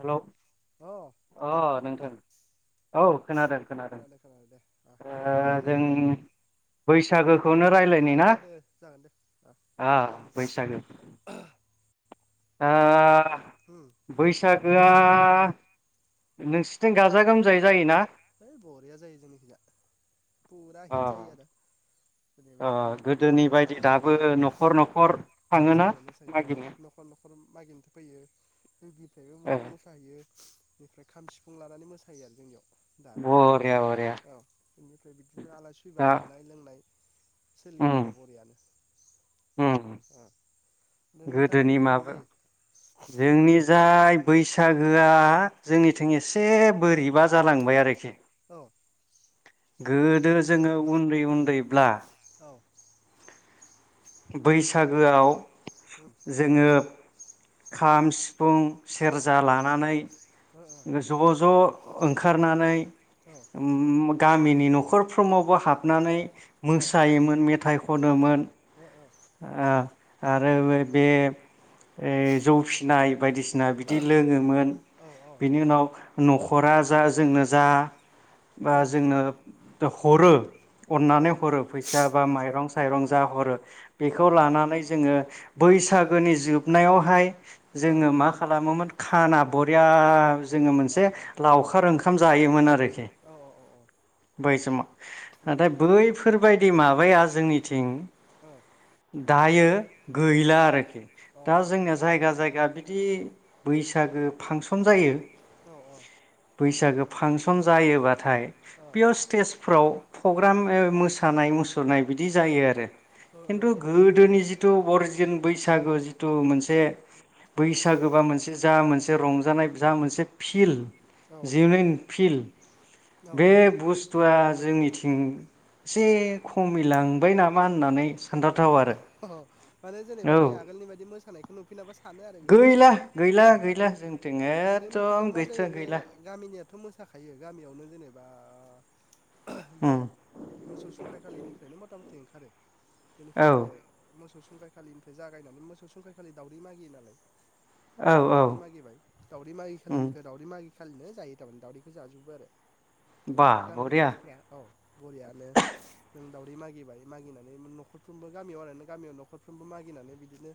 Hello अ अ नोंथां खोनादों ना नोंथां औ खोनादों खोनादों खोनादों दे अ एबार ओ मा गाननाय जों जोमनाय बैसागोखौनो रायलायनि अ ना दे जागोन दे अ अह बैसागो। ओ दा उम बैसागोआ। आ नोंसिथिं गाजा गोमजायै जायोना? हैइ बरिया जायो जोंनिखिजा फुरा हित जायो आरो। ओ जेनेबा न'खर न'खर गोदोनि बायदि मोसानाय दाबो औ न'खर न'खर थाङोना मागिनो? मागिनोथ' फैयो [unintelligible] बयबो मै ए मोसाहैयो। बेफ्राय खाम सिफुं लानानै मोसायो आरो जोंनियाव। दाबो बरिया बरिया औ बेनिफ्राय बिदिनो आलासि फैबा दा जानाय लोंनाय। उम सोलियो आरो बरियानो। उम ओ गोदोनि नोंथांमोननिखै बोरै माबा जायो जोंनि जाय बैसागोआ जोंनिथिं एसे बोरैबा जालांबाय आरोखि। औ। गोदो जोङो उन्दै उन्दैब्ला औ। बैसागोआव उम जोङो खाम सि फुं औ सेरजा लानानै ओ ज' ज' ओंखारनानै औ उम गामिनि न'खरफ्रोमावबो हाबनानै औ ओ औ मोसायोमोन मेथाइ खनोमोन। आ आरो बे बे ओइ जौ फिनाय बायदिसिना बिदि लोङोमोन ओ औ औ बेनि उनाव न'खरा जा जोंनो जा बा औ जोंनो हरो। अननानै हरो फैसा बा माइरं साइरं जा हरो। औ बेखौ लानानै जोङो बैसागोनि जोबनायावहाय जोङो मा खालामोमोन खाना बरिया जोङो मोनसे लावखार ओंखाम ओंखाम जायोमोन आरो औ बै समाव। नाथाय बैफोरबाय बिदि माबाया जोंनिथिं ओ। दायो उम गैला आरोखि, अ दा जोंनिया इदि जाबाय जायगा होमबा ना जायगा बिदि बैसागो फांसन जायो। औ औ बैसागो फांसन सन जायोबाथाय ओ बेयाव स्टेजफ्राव प्रग्राम ओ मोसानाय मुसुरनाय बिदि जायो आरो। खिन्थु गोदोनि जिथु अरिजिन बैसागो जि थु मोनसे बैसागोबा मोनसे जा मोनस जा रंजानाय जा मोनसे फिल औ जिउ निं फिल्ड औ बे औ बुस्थुआ जोंनि जों एसे खमायलांबाय नामा? होननानै सानथावथाव आरो अ माने जेनेबा औ बै आगोलनि बायदि मोसानायखौ नुफिनाबा सानो आरो बिब्दि गैला गैला औ औ गैला जोंथिं एखदम गैथ गैला। थ मोसाखायो गामियावनो जेनेबा। बे उम मोसौसुंखाय खालिनिफ्रायनो मथा मथि टेंखारो औ मोसौ सुंख्राय खालिनिफ्राय जागायनानै मोसौ सुंखायखालि दावदै मागियो नालाय। औ फार्स्टआव औ दावरै मागिबाय दावरि उम मागिखालिनिफ्राय दावरि मागि खालिनो जायो थारमाने दावदैखौ जाजोबो आरो। बे वाह गामिनि बढ़िया मानसिफोरा औ बरियानो दावदै मागिबाय मागिनानै मोन न'खर फ्रोमबो गामियाव आरोना गामियाव नखरफ्रोमबो मागिनानै बिदिनो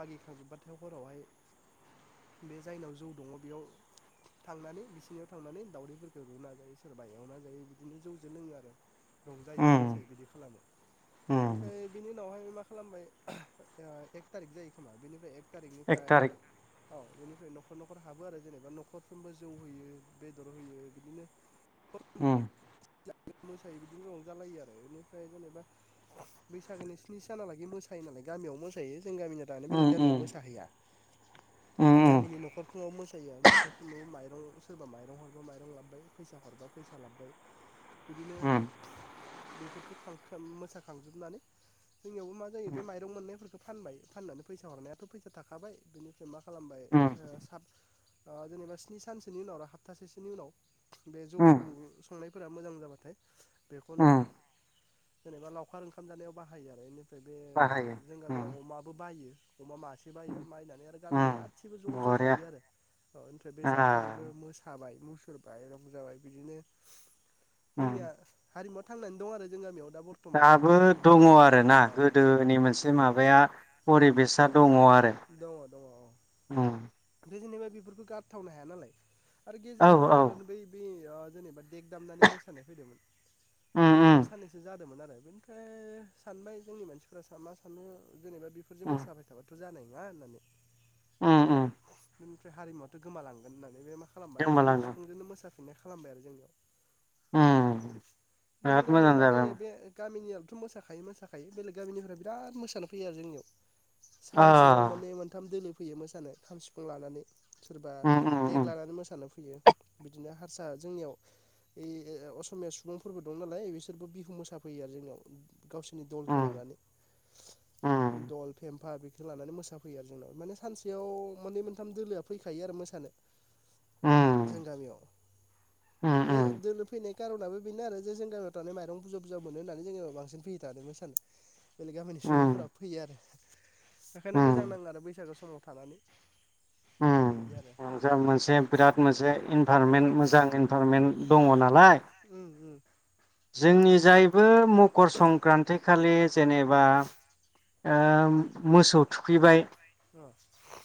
मागिखांजोबबाथाय हरावहाय बे जायनाव जौ दङ' बेयाव थांनानै बिसिनियाव थांनानै दावउदैफोरखौ रुना जायो सोरबा एवना जायो बिदिनो जौजों लोङो आरो। रंजायो हूँ मोसायो बिदि खालामो। हूँ बिनि उनावहाय मा खालामबाय आ एक थारिक जायो खोमा बेनिफ्राय एक एक थारिखनिफ्राय तारीख औ बेनिफ्राय न'खर न'खर हाबो आरो जेनेबा नखरफ्रोमबो जौ होयो बेदर होयो बिदिनो उम। मोसायो बिदिनो रं जालायो आरो बेनिफ्राय जेनेबा बैसागोनि स्नि सानालागि मोसायो नालाय गामियाव मोसायो जों गामिया दानो हूँ बेलेग हूँ गामियाव मोसाहैया। हूँ गामिनि न'खरफोरनाव मोसायो आरो न'खरफोरनाव माइ ओम सोरबा माइरं हरबा माइरं लाबोबाय फैसा हरबा फैसा लाबोबाय बिदिनो हूँ बेफोरखौ खांखो मोसा खांजोबनानै जोंनियावबो मा जायो बै माइरं मोननायफोरखौ फानबाय फाननानै फैसा हरनायाथ' फैसा थाखाबाय बिनि मा खालामबाय हूँ ओ साब ओ जेनेबा स्नि सानसोनि उनाव आरो हाबतासेसोनि उनाव बे जौ हूँ सौ संनाय फोरा मोजां जाबाय। फ्राय बेखौनो हूँ जेनेबा लावखार ओंखाम जानायाव बाहायो आरो ओमफ्राय बे बाहायो जों गामियाव उम अमाबो बायो अमा मासे बायो बायनानै आरो गामिनि उम गाैबो ज' ज' बरिया जायो आरो ओ ओमफ्राय बे आ जाखालिबो मोसाबाय मुसुर बाहरं जाबाय बिदिनो उम जोंनिया हारिमुआ थांनानै दं आरो जों गामियाव दा बर्थमान दाबो दङ' औ आरोना औ गोदोनि मोनसे माबाया औ परिबेसा दङ' आरो। दङ दङ औ उम। ओमफ्राय जेनेबा बेफोरखौ गारथावनो हाया नालाय। आरो औ गेजेराव मा औ जादों बै उम बे बेयाव जेनेबा देग दामनानै मोसा सानाय फैदोंमोन गेजेराव उम साननैसो जादोंमोन आरो। बेनिफ्राय सानबाय जोंनि मानसिफ मा सानो? जेनेबा बेफोरजों उम मोसाबाय थाबाथ' जानाय नंङा। या होननानै उम अ उम [unintelligible] बै हारिमुवा दं गोमा लांगोन होननानै बे मा खालामबाय खाम गोमालांदों सिफुंजोंनो मोसा [unintelligible] खालामबाय आरो जोंनियाव उम जों बिराद मोजां गामियाव मा जादों जायो बे गामिनियाव बेथ' मोसाखायो मोसाखायो बेलेग गामिनिफ्राय बिराद मोसानो फैयो आरो जोंनियाव। आ सानसेयाव माने मोनथाम दोलो फैयो मोसानो खाम सिफुं लानानै। सोरबा उम उम देग उम लानानै मोसानो बै फैयो बिदिनो हारसा जोंनियाव इ असमिया सुबुंफोरबो दं नालाय बिसोरबो बिहु मोसाफैयो आरो जोंनाव, गावसोरनि दलखौ उम लानानै उम दल फेमफा बेख लानानै मोसाफैयो आरो जोंनाव माने सानसेयाव मोननै मोनथाम दोलोआ फैखायो आरो मोसानो। उम जों गामियाव। उम बे उम दोलोन फैनाय कारनाबो बेनो आरो जे जों गामियाव थानाय माइरं बुरजा बुरजा मोनो होननानै जोंनि गामियाव बांसिन फैयो थाने मोसानो। बेलेग गामिनि उम सुबुंफोरा फैयो आरो। बेओंखायनो उम मोजां नाङो आरो बैसागु। समाव थानानै बिदि आरो उम जा मोनसे बिराद मोनसे औ औ इनभारमेन्ट मोजां इनभारमेन्ट। दङ नालाय उम उम जोंनि नि जायबो। मकर संक्रान्ति खालि उम जेनेबा ओ मोसौ थुखैबाय। अ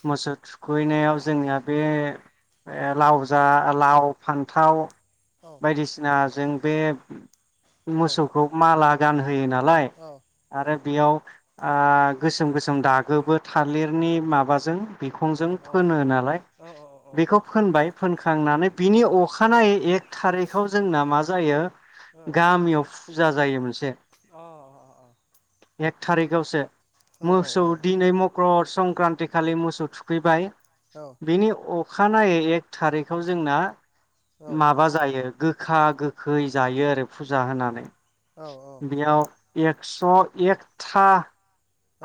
मोसौ थुखैनायाव जोंनिया बे। ए लाव जा लाव फान्थाव। औ बायदिसिना जों। बे। औ मोसौखौ माला। गान होयो नालाय अ आरो बेयाव। ओ गोसोम गोसोम दागोबो थालिरनि माबाजों। बिखंजों अ फोनो नालाय अ अ औ बेखौ फोनबाय फोनखांनानै बिनि अखानायै एक थारिखाव जोंना मा। जायो। गामियाव पुजा जायो मो अ अ अ। थारिक। गावसे। मोसौ दिनै मक्रद। संक्रान्ति खालि मोसौ थुखैबाय। बेनि अ खानायै एक थारिखआव जोंना माबा जायो। गोखा गोखै जायो आरो। फुजा होनानै औ बेयाव। एकस' एकथा।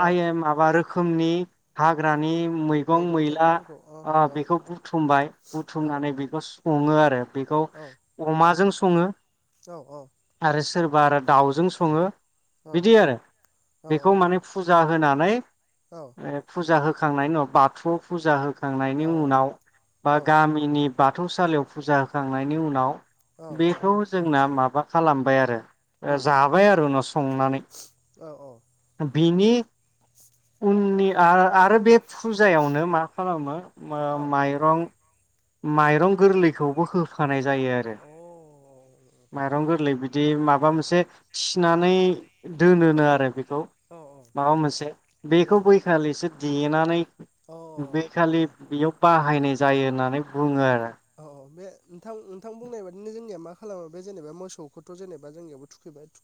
औ आइ एम [unintelligible] खोमनि हाग्रानि। मैंगं मैगं मैला थाइगंफोरखौ अ ओ औ बेखौ बुथुमबाय औ बुथुमनानै बेखौ सङो आरो बेखौ औ अमाजों। संङो। औ औ। सोरबा आरो दाउजों सङो। औ बिदि आरो। औ बेखौ माने फुजा होना नै। ओ फुजा हो खांनायनि उनाव बाथौआव फुजा हो खांनायनि उनाव बा गामिनि। बाथौ सलियाव फुजा होखांनायनि उनाव। बेखौ जोंना माब माबा खालामबाय आरो जाबाय आरो उनाव संनानै बिनि [inaudible] [unintelligible] आरो बे फुजायावनो मा खालामो उम माइरं माइरं गोरलैखौबो होफानाय जायो आरो माइरं गोरलै बिदि माबा मोनसे थिनानै दोनोनो आरो बेखौ औ माबा मोनसे औ बेखौ बैखालिसो देनानै अ बे खालि बेयाव बाहायनाय जायो होननानै बुंङो आरो औ बे नोंथां नोंथां बुंनायबादिनो जोंनिया मा खालामो बे जेनेबा मोसौखौथ' जेनेबा जोंनियावबो थुखैबाय थु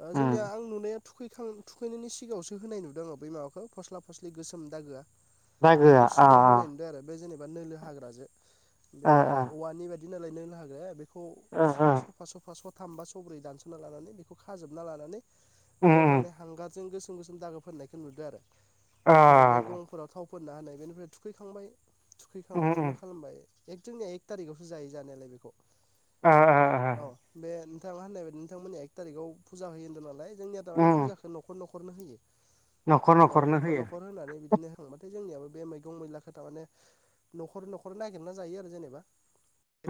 ओ उम जोंनिया आं नुनाया थुखैखां थुखैनायनि सिगाङावसो होनाय नुदों आङो बै माबाखौ फस्ला फसलि गोसोम दागोआ बेखौ दागोआ आ सिगाङाव होनाय नुदों आरो बे जेने बा नोलो हाग्राजों बे आ आ औवानि बायदि बिदिनो नालाय नोलो हागाया बे खौ ओ ओ सफा सफा स सथाम बा सब्रै दानस'ना लानानै बेखौ खाजोबना लानानै उम बेयाव थानाय हांगारजों गोसोम गोसोम गोसोम दागो फोननायखौ नुदों आरो आ ओमफ्राय बे गंफोराव थाव फोनना होनाय बेनिफ्राय थुखैखांबाय। उम थुखैखांनानै उम मा खालामबाय एक थिंनिया एक थारिखआवसो जायो जानायालाय बेखौ आ आ आ औ बे नोंथा होननाय बायदि नोंथांमोननिया एक थारिखआव फुजा होयो होनदों नालाय जोंनिया दानो उम फुजाखौ न'खर नखर हरनो होयो। न'खर ओ न'खरनो न'खर होयो न'खर होनानै बिदिनो होखांबाथाय जोंनियाबो। बे मैगं मैलाखौ थारमाने न'खर न'खर नायग गिरना जायो आरो जेनेबा।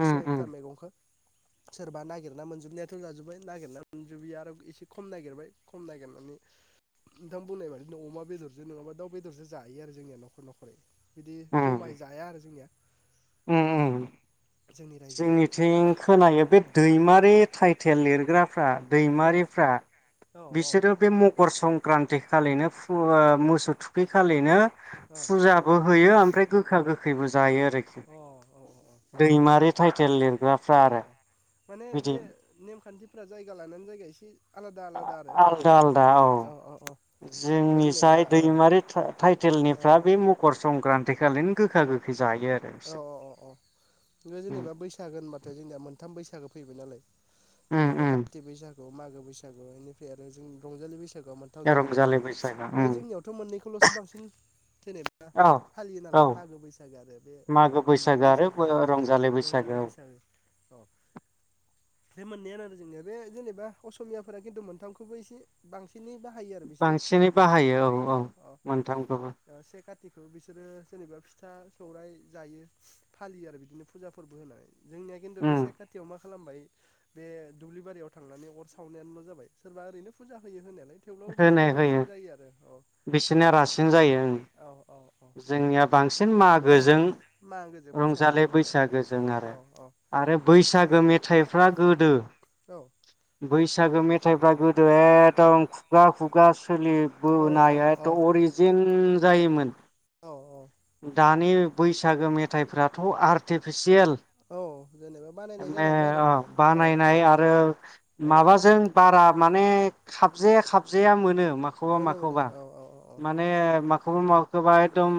एकस' उम एकटा उम मेगंखौ। सोरबा नागिरना मोनजुबनायाथ' जाजोब्बाय नागिरना मोनजुबि आरो एसे खम नागिरबाय खम नागिरनानै नोंथां बुंनाय बादिनो अमा बेदरजों नङाबा दाउ बेदरजों जायो आरो जोंनिया न'खर न'खरै। बिदि उम जमाय जाया आरो जोंनिया। [unintelligible] जोंनि रायजोआ जोंनिथिं खोनायो बे दैमारि टाइटेल लिरग्राफ्रा दैमारिफ्रा ओ औ बिसोरो बे मकर संक्रान्तिखो खालिनो फु ओ मोसौ थुखै खालिनो। औ अ फुजाबो होयो ओमफ्राय गोखा गोखैबो जायो आरोखि औ दैमारि। टाइटेल लिर। अ-अ माने बे नेमखान्थिफ। फोरा जायगा लानानै जायगा एसे आलादा आलादा आरो आ-आलदा-आलदा औ दा जोंनि जेनेबा जाय औ दैमारि औ टा-टाइटेलनिफ्रा बे मकर संक्रान देखालिन गोखा गोखै। जायो आरो बिसोर औ-औ अ-अ ओ जेनेबा बैसागो होनबाथाय जोंनिया मोनथाम बैसागो। फैबाय नालाय। जेनेबा काथि बैसाग। औ मागो बैसागु इनिफ्राय आरो जोंनि रंजालि बैसा बैसागुआव मोनथाम जाबाय नालाय रंजालि बैसागो बे जोंनियावथ मोननैखौलसो बांसिन जेनेबा औ फालियो नालाय औ मागो बैसागो आरो बे। मागो रंजालि बैसागो आरो बैसागोखौल' बय-रंजालि रंजालि बैसागोआव। बैसागो औ बे मोननैयानो आरो जोंनिया बे जेनेबा असमियाफोरा खिन्थु मोनथामखौबो एसे बांसि बांसिनै बाहायो औ-औ औ औ मोनथामखौबो। से कातिखौ बिसोरो जेनेबा फिथा सौराइ दायो फालियो आरो बिदिनो फुजा फोरबो होनाय। जोंनिया खिन्थु उम बेसायद खाथियाव मा खालामबाय बे दुब्लि बारियाव थांनानै अर सावनायानोल' जाबाय सोरबा ओरैनो फुजा होयो होनायालाय। थेवब्लाबो बिसोरनिया होनाय बांसिन जायो आरो औ बिसोरनिया रासिन जायो ओं औ औ औ जोंनिया बांसिन मागोजों मागोजों रंजालि बैसागोल' जोंनिया बैसागोजों औ औ आरो-आरो बैसागो मेथाइफ्रा गोदो औ बै बैसागो मेथाइफ्रा गोदो एकदम खु खुगा खुगासो औ सोलिबोनायाथ अरिजिन। ओम जायोमोन। औ-औ। नि बैसागो मेथाइफ्राथ आर्टिफिसियेल। औ जेनेबा बानायनाय माने जालांबाय आरो औ औ बानायनाय आरो औ माबाजों बारा। माने खाबजेया खाबु खबजाया मोनो। मोनो मोनो माखौबा-माखौबा औ औ औ माने माखौ। खौ माखौबा एखदम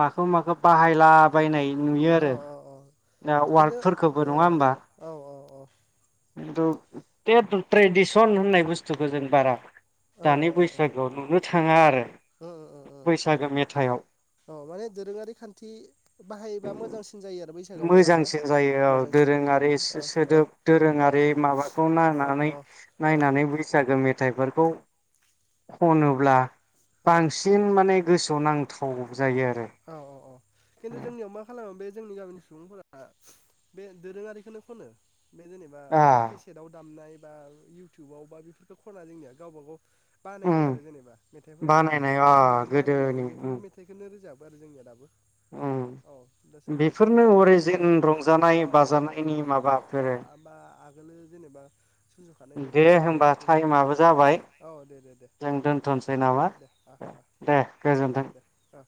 माखौ-माखौ बाहायलाबायनाय। नुयो औ आरो औ औ दा खिन्थु वार्डफोरखौबो औ नङा औ होमबा? औ औ खिन्थु ट्रेडिसन होननाय बुस्थुखौ जों बारा। उम दानि उम बैसागोआव नुनो थाङा आरो, उम उम बैसागो मेथाइआव औ माने दोरोङारि खान्थि बाहायोबा मोजांसिन जायो आरो बैसागोआव नङा होमबा मोजांसिन जायो औ मोजांसिन जायो दोरोङारि औ औ सोदोब औ दोरोङारि माबाखौ नायनानै नायनानै बैसागो मेथाइ। खौ खनोब्ला। औ बांसिन माने गोसोआव नांथाव जायो आरो औ औ औ खिन्थु जोंनियाव मा खालामो बे जोंनि गामिनि सुबुंफोरा बे दोरोङारिखौनो खनो। बे जेनेबा आ केसेटआव दामनाय। बा इउटुबाव बा बेफोरफोरखौ खना जोंनिया गावबा गाव उम बानायनाय आरो जेनेबा मेथाइफोरा बानायनाय आ गामियावनो बानायनाय गोदोनि बेफोर उम मेथाइखौनो रोजा बो आरो जोंनिया दाबो। उम औ दा सोरबा एसे बेफोरनो गोदानै सुजुबाय अरिजिन मा रंजानाय औ औ बाजानायनि औ माबाफोर औ बा आगोलो जेनेबा सुजुखानाय दे मेथाइफोर होमबा टाइमाबो जाबाय जायफोरफोरखौ औ दे दे दे जों दोनथ'नोसै नामा औ दे गोजोन्थों दे दे।